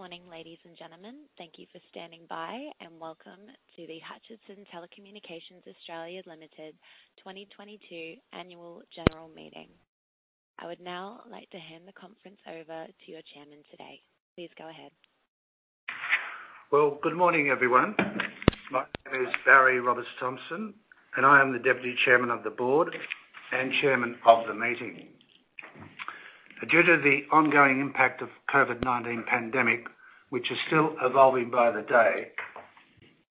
Morning, ladies and gentlemen. Thank you for standing by, and welcome to the Hutchison Telecommunications (Australia) Limited 2022 Annual General Meeting. I would now like to hand the conference over to your Chairman today. Please go ahead. Well, good morning, everyone. My name is Barry Roberts-Thomson, and I am the Deputy Chairman of the Board and Chairman of the meeting. Due to the ongoing impact of COVID-19 pandemic, which is still evolving by the day,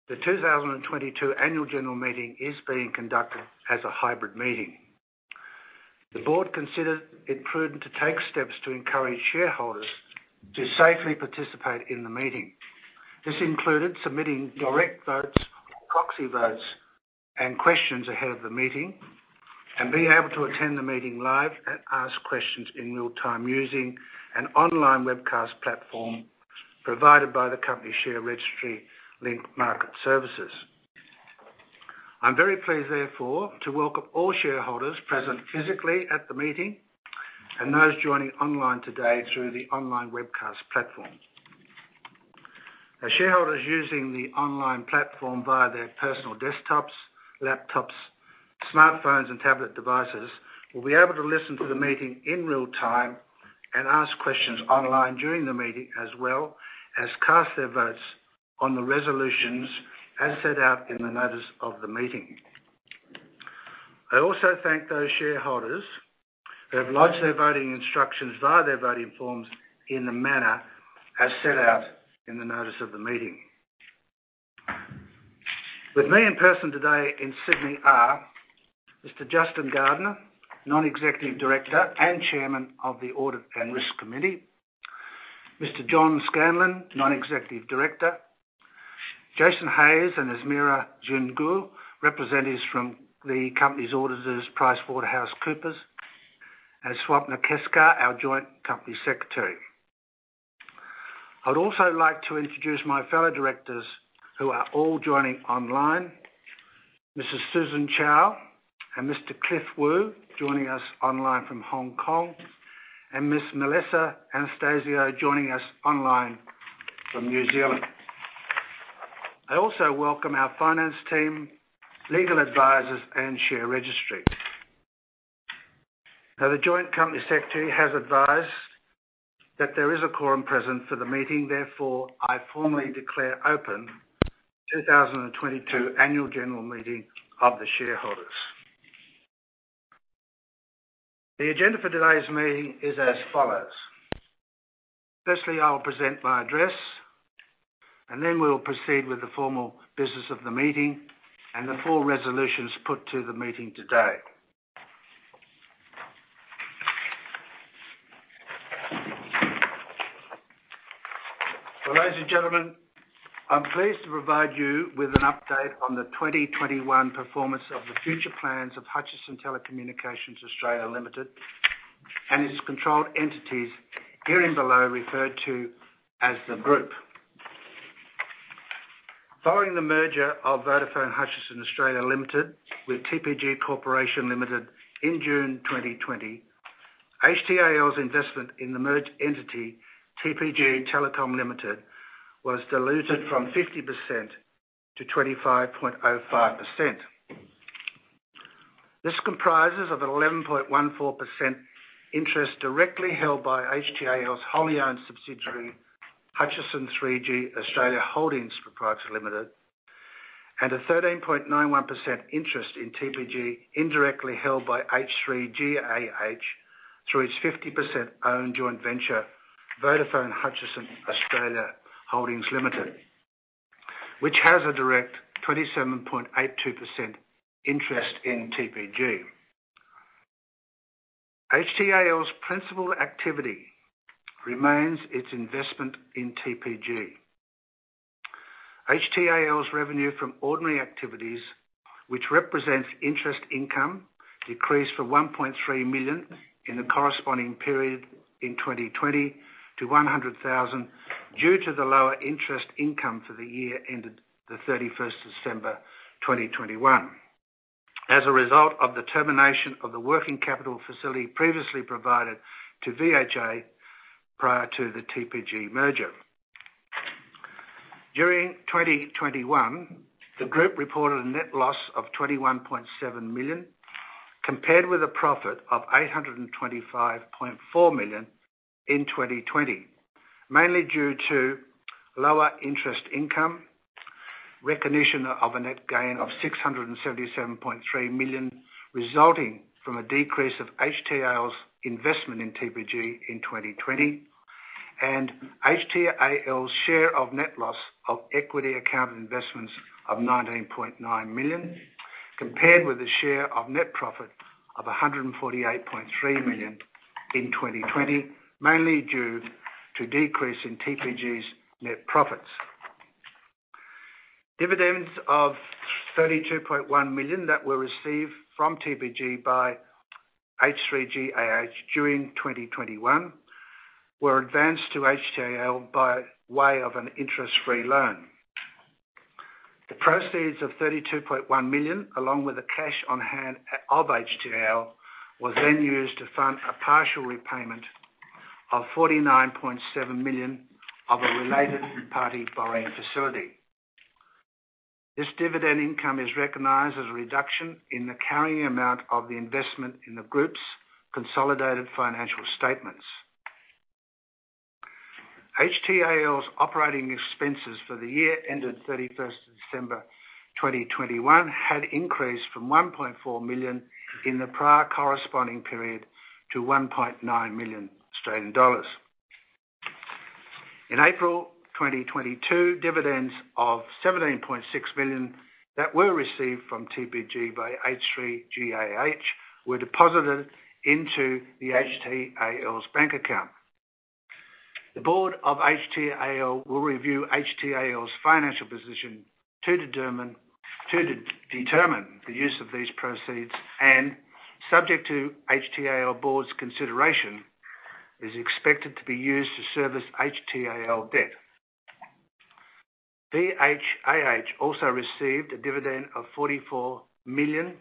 the 2022 Annual General Meeting is being conducted as a hybrid meeting. The Board considered it prudent to take steps to encourage shareholders to safely participate in the meeting. This included submitting direct votes, proxy votes, and questions ahead of the meeting and being able to attend the meeting live and ask questions in real-time using an online webcast platform provided by the company share registry, Link Market Services. I'm very pleased, therefore, to welcome all shareholders present physically at the meeting and those joining online today through the online webcast platform. As shareholders using the online platform via their personal desktops, laptops, smartphones, and tablet devices will be able to listen to the meeting in real-time and ask questions online during the meeting, as well as cast their votes on the resolutions as set out in the notice of the meeting. I also thank those shareholders who have lodged their voting instructions via their voting forms in the manner as set out in the notice of the meeting. With me in person today in Sydney are Mr. Justin Gardener, Non-Executive Director and Chairman of the Audit and Risk Committee, Mr. John Scanlon, Non-Executive Director, Jason Hayes and Jun Gu, representatives from the Company's auditors, PricewaterhouseCoopers, and Swapna Keskar, our Joint Company Secretary. I'd also like to introduce my fellow directors who are all joining online. Mrs. Susan Chow and Mr. Cliff Wu, joining us online from Hong Kong, and Ms. Melissa Anastasiou, joining us online from New Zealand. I also welcome our finance team, legal advisors, and Share Registry. Now, the joint company secretary has advised that there is a quorum present for the meeting. Therefore, I formally declare open 2022 Annual General Meeting of the shareholders. The agenda for today's meeting is as follows. Firstly, I will present my address, and then we'll proceed with the formal business of the meeting and the four resolutions put to the meeting today. Ladies and gentlemen, I'm pleased to provide you with an update on the 2021 performance of the future plans of Hutchison Telecommunications (Australia) Limited and its controlled entities herein below referred to as the Group. Following the merger of Vodafone Hutchison Australia Pty Limited with TPG Corporation Limited in June 2020, HTAL's investment in the merged entity, TPG Telecom Limited, was diluted from 50% to 25.05%. This comprises of 11.14% interest directly held by HTAL's wholly owned subsidiary, Hutchison 3G Australia Holdings Pty Limited, and a 13.91% interest in TPG, indirectly held by H3GAH through its 50% owned joint venture, Vodafone Hutchison Australia Holdings Limited, which has a direct 27.82% interest in TPG. HTAL's principal activity remains its investment in TPG. HTAL's revenue from ordinary activities, which represents interest income, decreased from 1.3 million in the corresponding period in 2020 to 100,000 due to the lower interest income for the year ended the 31st of December 2021 as a result of the termination of the working capital facility previously provided to VHA prior to the TPG merger. During 2021, the group reported a net loss of 21.7 million, compared with a profit of 825.4 million in 2020, mainly due to lower interest income, recognition of a net gain of 677.3 million resulting from a decrease of HTAL's investment in TPG in 2020, and HTAL's share of net loss of equity account investments of 19.9 million, compared with a share of net profit of 148.3 million in 2020, mainly due to decrease in TPG's net profits. Dividends of 32.1 million that were received from TPG by H3GAH during 2021 were advanced to HTAL by way of an interest-free loan. The proceeds of 32.1 million, along with the cash on hand of HTAL, was then used to fund a partial repayment of 49.7 million of a related party borrowing facility. This dividend income is recognized as a reduction in the carrying amount of the investment in the group's consolidated financial statements. HTAL's operating expenses for the year ended 31st December 2021, had increased from 1.4 million in the prior corresponding period to 1.9 million Australian dollars. In April 2022, dividends of 17.6 million that were received from TPG by H3GAH were deposited into HTAL's bank account. The Board of HTAL will review HTAL's financial position to determine the use of these proceeds, and subject to HTAL Board's consideration, is expected to be used to service HTAL debt. VHAH also received a dividend of 44 million,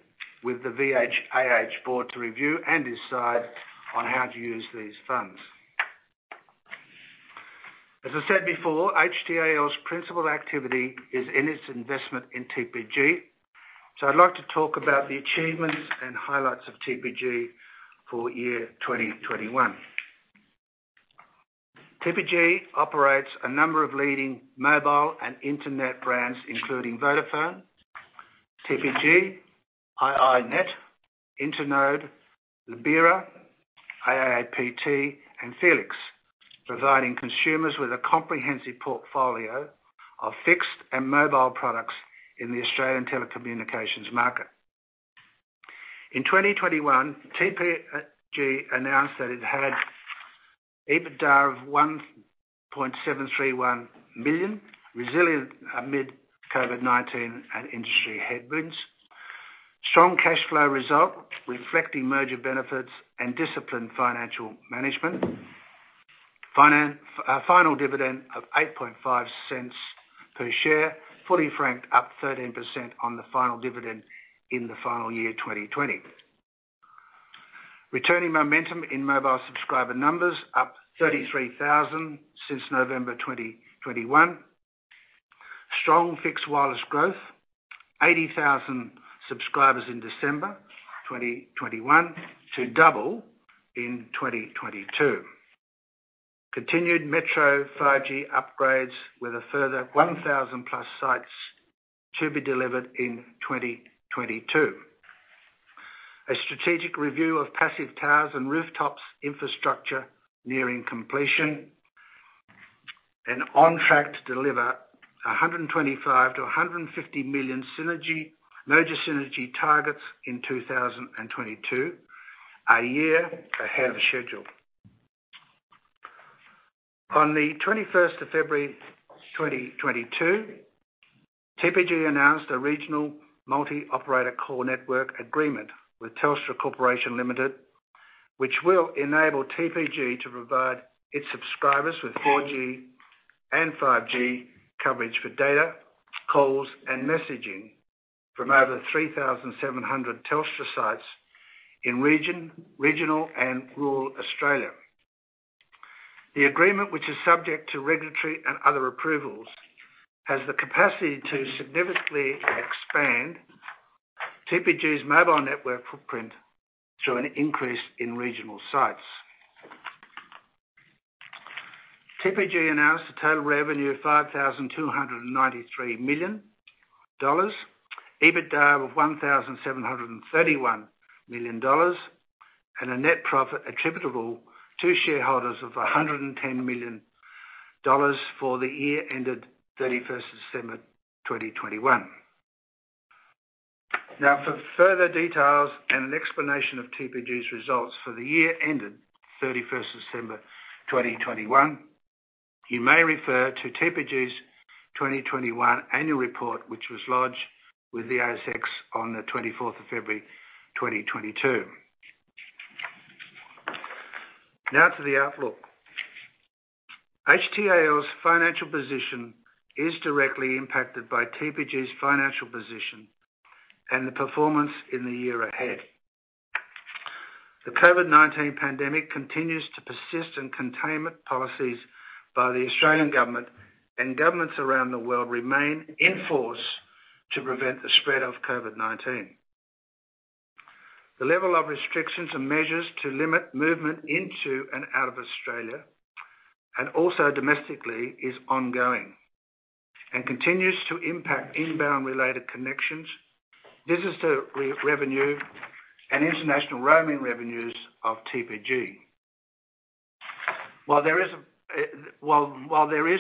with the VHAH Board to review and decide on how to use these funds. As I said before, HTAL's principal activity is in its investment in TPG, so I'd like to talk about the achievements and highlights of TPG for 2021. TPG operates a number of leading mobile and internet brands including Vodafone, TPG, iiNet, Internode, Lebara, AAPT, and felix, providing consumers with a comprehensive portfolio of fixed and mobile products in the Australian telecommunications market. In 2021, TPG announced that it had EBITDA of 1.731 billion, resilient amid COVID-19 and industry headwinds. Strong cash flow result reflecting merger benefits and disciplined financial management. Finance. A final dividend of 0.085 Per share, fully franked up 13% on the final dividend in the final year 2020. Returning momentum in mobile subscriber numbers up 33,000 since November 2021. Strong fixed wireless growth, 80,000 subscribers in December 2021, to double in 2022. Continued metro 5G upgrades with a further 1,000+ sites to be delivered in 2022. A strategic review of passive towers and rooftops infrastructure nearing completion. On track to deliver 125 million-150 million synergy, merger synergy targets in 2022, a year ahead of schedule. On the 21st of February 2022, TPG announced a regional Multi-Operator Core Network agreement with Telstra Corporation Limited, which will enable TPG to provide its subscribers with 4G and 5G coverage for data, calls, and messaging from over 3,700 Telstra sites in regional and rural Australia. The agreement, which is subject to regulatory and other approvals, has the capacity to significantly expand TPG's mobile network footprint through an increase in regional sites. TPG announced a total revenue of 5,293 million dollars, EBITDA of 1,731 million dollars, and a net profit attributable to shareholders of 110 million dollars for the year ended thirty-first of December 2021. Now for further details and an explanation of TPG's results for the year ended 31st December 2021, you may refer to TPG's 2021 Annual Report, which was lodged with the ASX on the 24th of February 2022. Now to the outlook. HTAL's financial position is directly impacted by TPG's financial position and the performance in the year ahead. The COVID-19 pandemic continues to persist, and containment policies by the Australian government and governments around the world remain in force to prevent the spread of COVID-19. The level of restrictions and measures to limit movement into and out of Australia, and also domestically is ongoing, and continues to impact inbound-related connections, visitor revenue, and international roaming revenues of TPG. While there is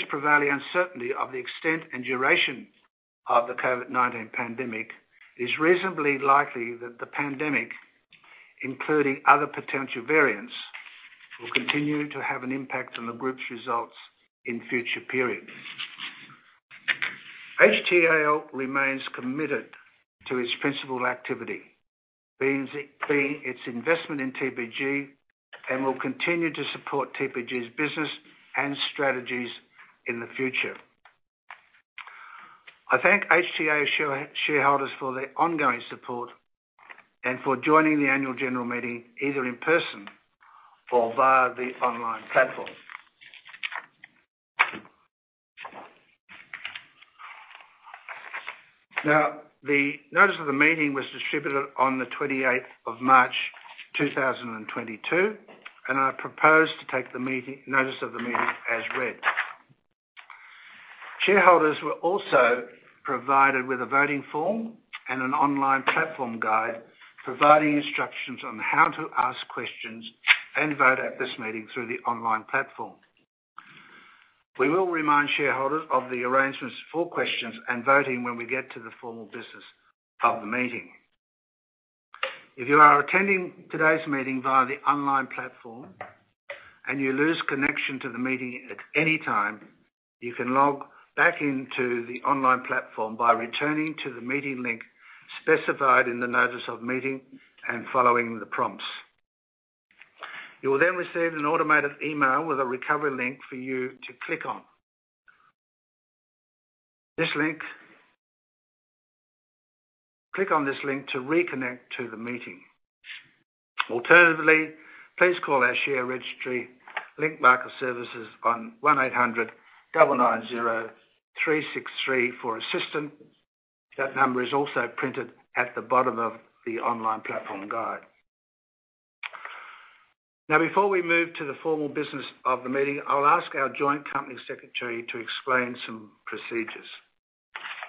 prevailing uncertainty of the extent and duration of the COVID-19 pandemic, it is reasonably likely that the pandemic, including other potential variants, will continue to have an impact on the group's results in future periods. HTAL remains committed to its principal activity being its investment in TPG and will continue to support TPG's business and strategies in the future. I thank HTAL shareholders for their ongoing support and for joining the Annual General Meeting, either in person or via the online platform. Now, the notice of the meeting was distributed on the 28th of March 2022, and I propose to take the notice of the meeting as read. Shareholders were also provided with a voting form and an online platform guide, providing instructions on how to ask questions and vote at this meeting through the online platform. We will remind shareholders of the arrangements for questions and voting when we get to the formal business of the meeting. If you are attending today's meeting via the online platform and you lose connection to the meeting at any time, you can log back into the online platform by returning to the meeting link specified in the notice of meeting and following the prompts. You will then receive an automated email with a recovery link for you to click on. Click on this link to reconnect to the meeting. Alternatively, please call our share registry Link Market Services on 1800-990-363 for assistance. That number is also printed at the bottom of the online platform guide. Now, before we move to the formal business of the meeting, I'll ask our joint company secretary to explain some procedures.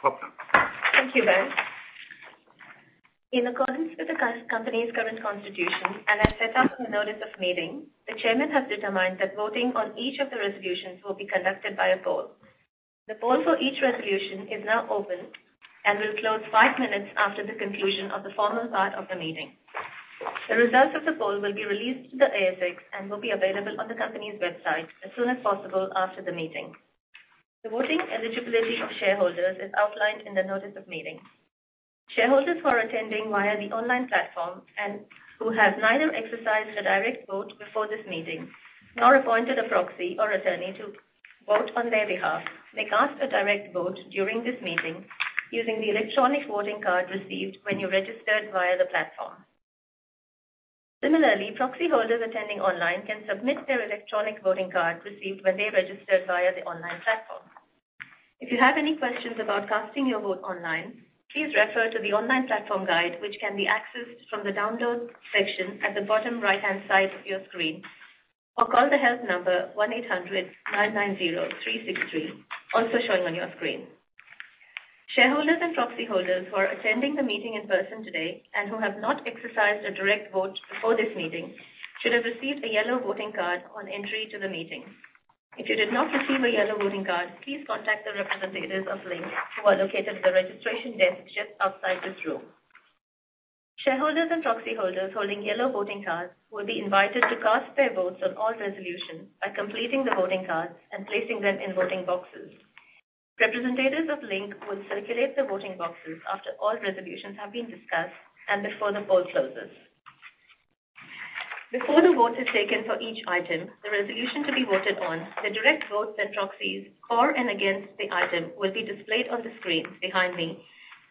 Swapna Keskar. Thank you, Ben. In accordance with the company's current constitution and as set out in the notice of meeting, the Chairman has determined that voting on each of the resolutions will be conducted by a poll. The poll for each resolution is now open and will close five minutes after the conclusion of the formal part of the meeting. The results of the poll will be released to the ASX and will be available on the company's website as soon as possible after the meeting. The voting eligibility of shareholders is outlined in the notice of meeting. Shareholders who are attending via the online platform and who have neither exercised a direct vote before this meeting nor appointed a proxy or attorney to vote on their behalf, may cast a direct vote during this meeting using the electronic voting card received when you registered via the platform. Similarly, proxyholders attending online can submit their electronic voting card received when they registered via the online platform. If you have any questions about casting your vote online, please refer to the online platform guide, which can be accessed from the Download section at the bottom right-hand side of your screen, or call the help number 1800-990-363, also showing on your screen. Shareholders and proxyholders who are attending the meeting in person today and who have not exercised a direct vote before this meeting should have received a yellow voting card on entry to the meeting. If you did not receive a yellow voting card, please contact the representatives of Link who are located at the registration desk just outside this room. Shareholders and proxyholders holding yellow voting cards will be invited to cast their votes on all resolutions by completing the voting cards and placing them in voting boxes. Representatives of Link will circulate the voting boxes after all resolutions have been discussed and before the poll closes. Before the vote is taken for each item, the resolution to be voted on, the direct votes and proxies, for and against the item, will be displayed on the screen behind me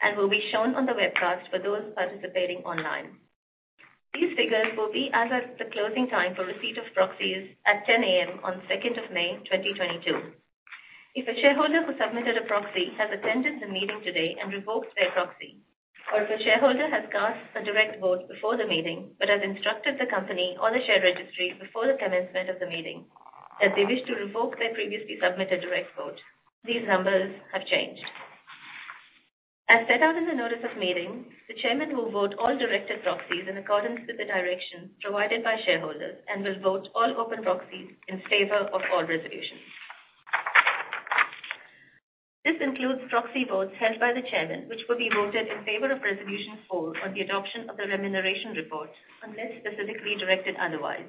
and will be shown on the webcast for those participating online. These figures will be as at the closing time for receipt of proxies at 10:00 A.M. on 2nd of May, 2022. If a shareholder who submitted a proxy has attended the meeting today and revoked their proxy, or if a shareholder has cast a direct vote before the meeting but has instructed the company or the share registry before the commencement of the meeting that they wish to revoke their previously submitted direct vote, these numbers have changed. As set out in the notice of meeting, the Chairman will vote all directed proxies in accordance with the direction provided by shareholders and will vote all open proxies in favor of all resolutions. This includes proxy votes held by the Chairman, which will be voted in favor of resolution four on the adoption of the remuneration report, unless specifically directed otherwise.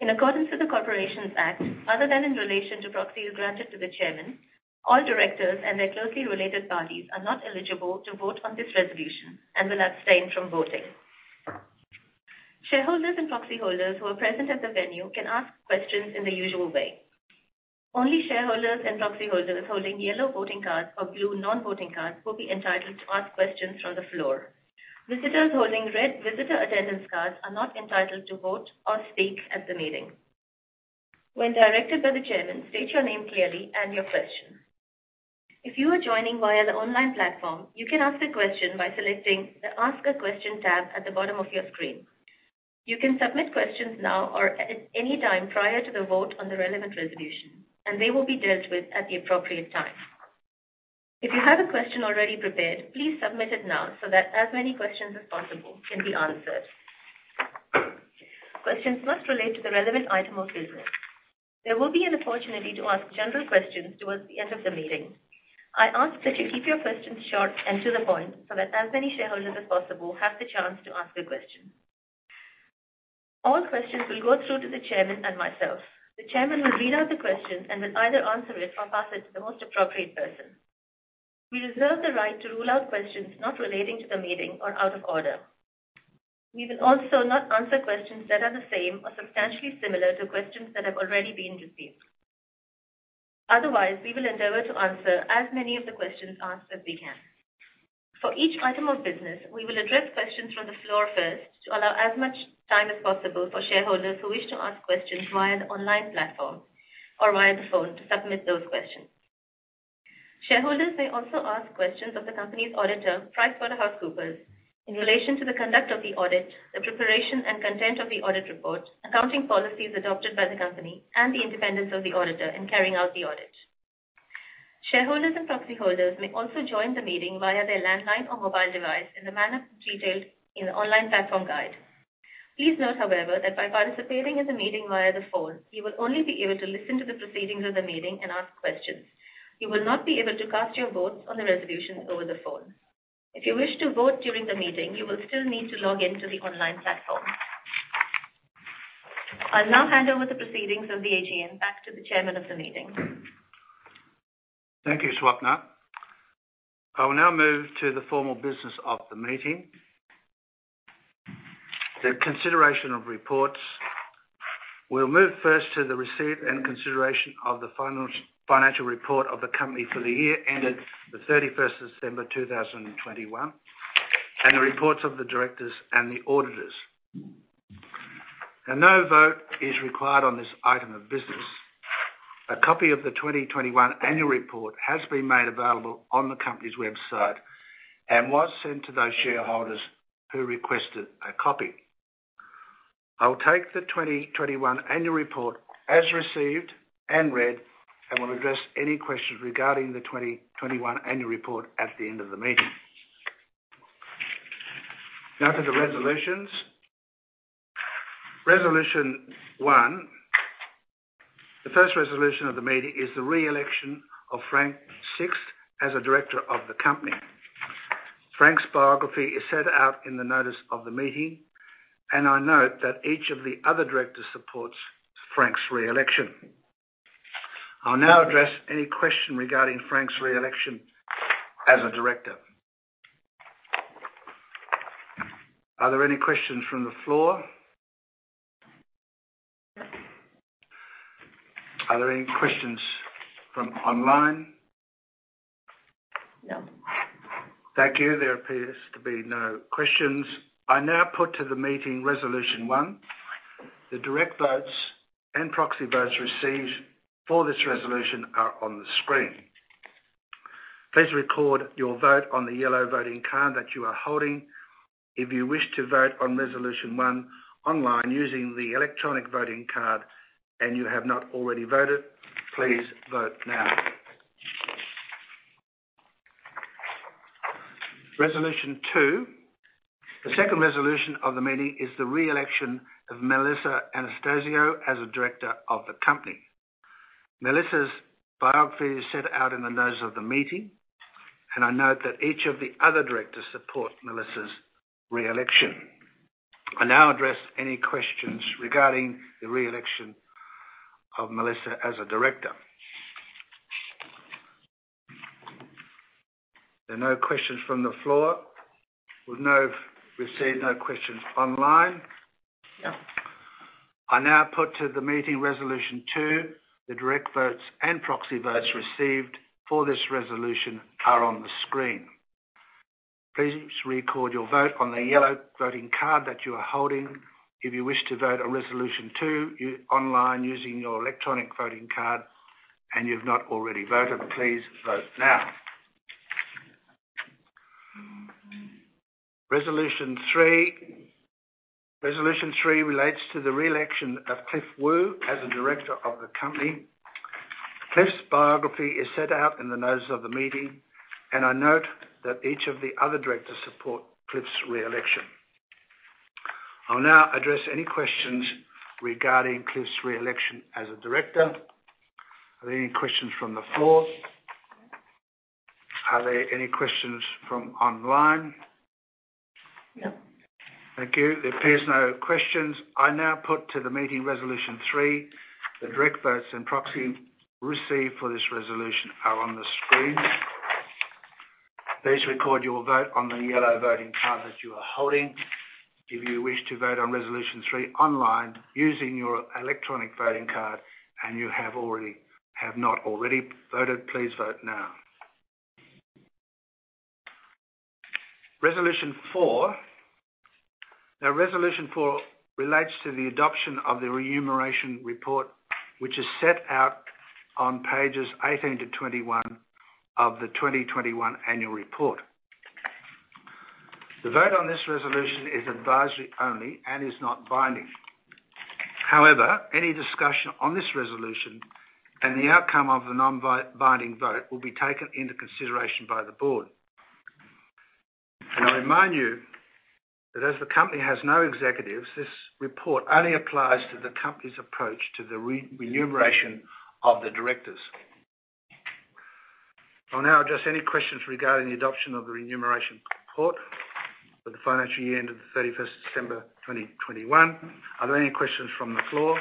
In accordance with the Corporations Act, other than in relation to proxies granted to the Chairman, all directors and their closely related parties are not eligible to vote on this resolution and will abstain from voting. Shareholders and proxyholders who are present at the venue can ask questions in the usual way. Only shareholders and proxyholders holding yellow voting cards or blue non-voting cards will be entitled to ask questions from the floor. Visitors holding red visitor attendance cards are not entitled to vote or speak at the meeting. When directed by the Chairman, state your name clearly and your question. If you are joining via the online platform, you can ask a question by selecting the Ask a question tab at the bottom of your screen. You can submit questions now or at any time prior to the vote on the relevant resolution, and they will be dealt with at the appropriate time. If you have a question already prepared, please submit it now so that as many questions as possible can be answered. Questions must relate to the relevant item of business. There will be an opportunity to ask general questions towards the end of the meeting. I ask that you keep your questions short and to the point, so that as many shareholders as possible have the chance to ask a question. All questions will go through to the Chairman and myself. The chairman will read out the question and will either answer it or pass it to the most appropriate person. We reserve the right to rule out questions not relating to the meeting or out of order. We will also not answer questions that are the same or substantially similar to questions that have already been received. Otherwise, we will endeavor to answer as many of the questions asked as we can. For each item of business, we will address questions from the floor first to allow as much time as possible for shareholders who wish to ask questions via the online platform or via the phone to submit those questions. Shareholders may also ask questions of the company's auditor, PricewaterhouseCoopers, in relation to the conduct of the audit, the preparation and content of the audit report, accounting policies adopted by the company, and the independence of the auditor in carrying out the audit. Shareholders and proxy holders may also join the meeting via their landline or mobile device in the manner detailed in the online platform guide. Please note, however, that by participating in the meeting via the phone, you will only be able to listen to the proceedings of the meeting and ask questions. You will not be able to cast your votes on the resolutions over the phone. If you wish to vote during the meeting, you will still need to log in to the online platform. I'll now hand over the proceedings of the AGM back to the Chairman of the meeting. Thank you, Swapna. I will now move to the formal business of the meeting. The consideration of reports. We'll move first to the receipt and consideration of the financial report of the company for the year ended the 31st of December 2021, and the reports of the Directors and the Auditors. No vote is required on this item of business. A copy of the 2021 Annual Report has been made available on the company's website and was sent to those shareholders who requested a copy. I will take the 2021 Annual Report as received and read and will address any questions regarding the 2021 Annual Report at the end of the meeting. Now to the resolutions. Resolution 1. The first resolution of the meeting is the re-election of Frank Sixt as a Director of the company. Frank's biography is set out in the notice of the meeting, and I note that each of the other Directors supports Frank's re-election. I'll now address any question regarding Frank's re-election as a Director. Are there any questions from the floor? Are there any questions from online? No. Thank you. There appears to be no questions. I now put to the meeting Resolution 1. The direct votes and proxy votes received for this resolution are on the screen. Please record your vote on the yellow voting card that you are holding. If you wish to vote on resolution one online using the electronic voting card and you have not already voted, please vote now. Resolution two. The second resolution of the meeting is the re-election of Melissa Anastasiou as a Director of the company. Melissa's biography is set out in the notice of the meeting, and I note that each of the other Directors support Melissa's re-election. I now address any questions regarding the re-election of Melissa as a Director. There are no questions from the floor. We have received no questions online. No. I now put to the meeting Resolution 2. The direct votes and proxy votes received for this resolution are on the screen. Please record your vote on the yellow voting card that you are holding. If you wish to vote on resolution two online using your electronic voting card and you've not already voted, please vote now. Resolution 3. Resolution 3 relates to the re-election of Cliff Wu as a Director of the company. Cliff's biography is set out in the notice of the meeting, and I note that each of the other Directors support Cliff's re-election. I'll now address any questions regarding Cliff's re-election as a Director. Are there any questions from the floor? Are there any questions from online? No. Thank you. There appears no questions. I now put to the meeting Resolution 3. The direct votes and proxy received for this resolution are on the screen. Please record your vote on the yellow voting card that you are holding. If you wish to vote on Resolution 3 online using your electronic voting card and you have not already voted, please vote now. Resolution 4. Now, Resolution 4 relates to the adoption of the remuneration report, which is set out on pages 18 to 21 of the 2021 Annual Report. The vote on this resolution is advisory only and is not binding. However, any discussion on this resolution and the outcome of the non-binding vote will be taken into consideration by the Board. I remind you that as the company has no executives, this report only applies to the company's approach to the re-remuneration of the Directors. I'll now address any questions regarding the adoption of the remuneration report for the financial year ended 31st December 2021. Are there any questions from the floor?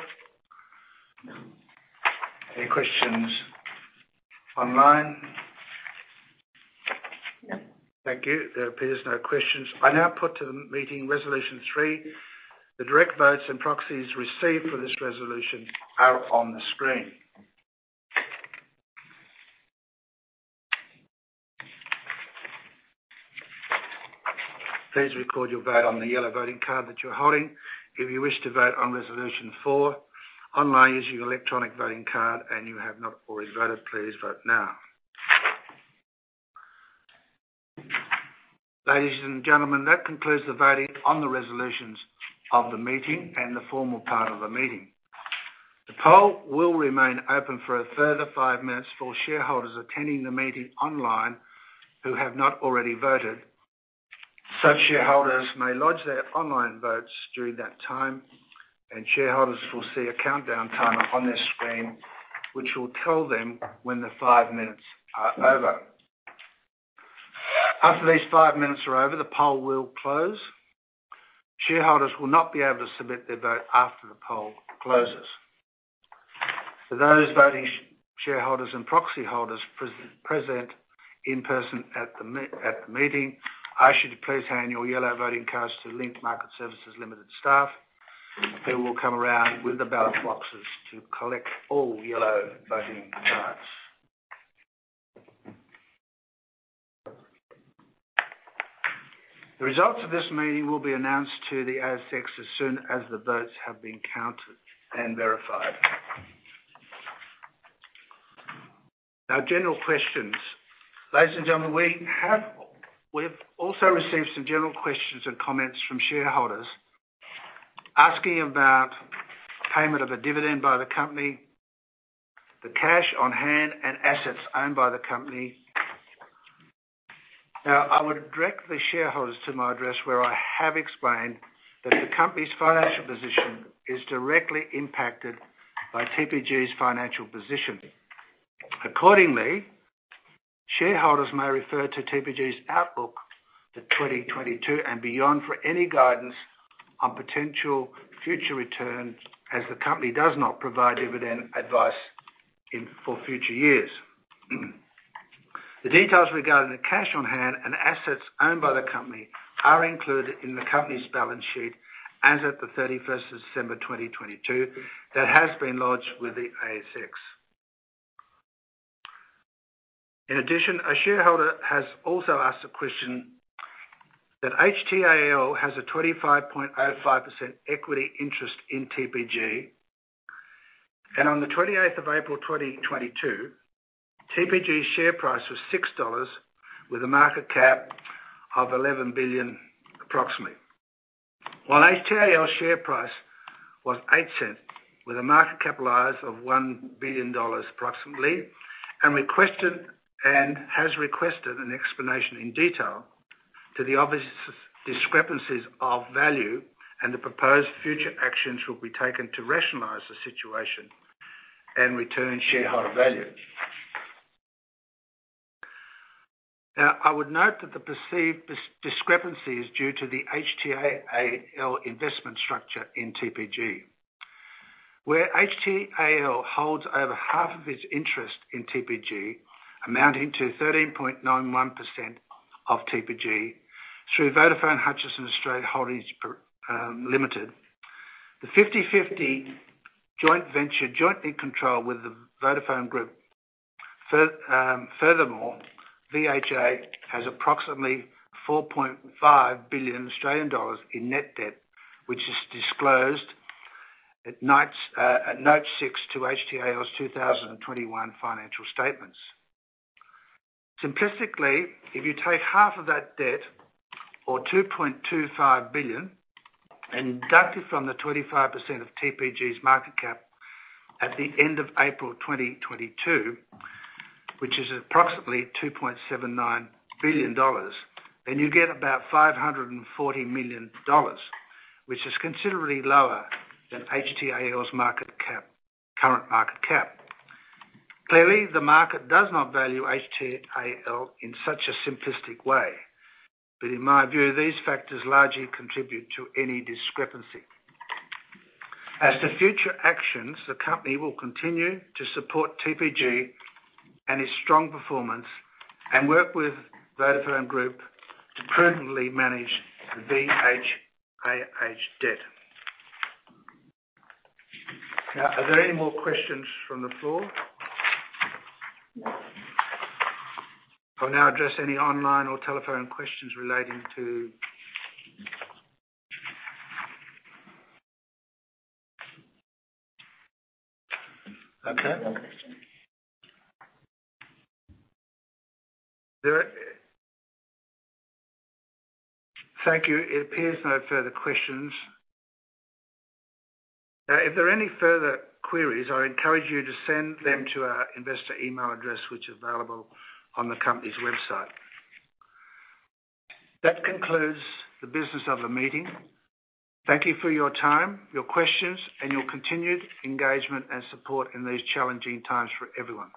Any questions online? Thank you. There appears no questions. I now put to the meeting Resolution 3. The direct votes and proxies received for this resolution are on the screen. Please record your vote on the yellow voting card that you're holding. If you wish to vote on Resolution 4 online using your electronic voting card and you have not already voted, please vote now. Ladies and gentlemen, that concludes the voting on the resolutions of the meeting and the formal part of the meeting. The poll will remain open for a further five minutes for shareholders attending the meeting online who have not already voted. Such shareholders may lodge their online votes during that time, and shareholders will see a countdown timer on their screen, which will tell them when the five minutes are over. After these five minutes are over, the poll will close. Shareholders will not be able to submit their vote after the poll closes. For those voting shareholders and proxy holders present in person at the meeting, you should please hand your yellow voting cards to Link Market Services Limited staff, who will come around with the ballot boxes to collect all yellow voting cards. The results of this meeting will be announced to the ASX as soon as the votes have been counted and verified. Now, general questions. Ladies and gentlemen, we have, we've also received some general questions and comments from shareholders asking about payment of a dividend by the company, the cash on hand and assets owned by the company. I would direct the shareholders to my address where I have explained that the company's financial position is directly impacted by TPG's financial position. Accordingly, shareholders may refer to TPG's outlook to 2022 and beyond for any guidance on potential future returns, as the company does not provide dividend advice in, for future years. The details regarding the cash on hand and assets owned by the company are included in the company's balance sheet as of the 31st of December 2022. That has been lodged with the ASX. In addition, a shareholder has also asked a question that HTAL has a 25.05% equity interest in TPG. On the twenty-eighth of April 2022, TPG's share price was 6 dollars with a market cap of 11 billion approximately. While HTAL share price was 0.08 with a market capitalization of 1 billion dollars approximately, and has requested an explanation in detail to the obvious discrepancies of value and the proposed future actions will be taken to rationalize the situation and return shareholder value. Now, I would note that the perceived discrepancy is due to the HTAL investment structure in TPG, where HTAL holds over half of its interest in TPG, amounting to 13.91% of TPG through Vodafone Hutchison Australia Holdings Limited, the 50/50 joint venture jointly controlled with the Vodafone Group. Furthermore, VHA has approximately 4.5 billion Australian dollars in net debt, which is disclosed at notes at Note 6 to HTAL's 2021 financial statements. Simplistically, if you take half of that debt or 2.25 billion and deduct it from the 25% of TPG's market cap at the end of April 2022, which is approximately 2.79 billion dollars, then you get about 540 million dollars, which is considerably lower than HTAL's market cap, current market cap. Clearly, the market does not value HTAL in such a simplistic way, but in my view, these factors largely contribute to any discrepancy. As to future actions, the company will continue to support TPG and its strong performance and work with Vodafone Group to prudently manage the VHAH debt. Now, are there any more questions from the floor? I'll now address any online or telephone questions. Thank you. It appears there are no further questions. If there are any further queries, I encourage you to send them to our investor email address, which is available on the company's website. That concludes the business of the meeting. Thank you for your time, your questions, and your continued engagement and support in these challenging times for everyone.